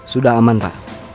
sudah aman pak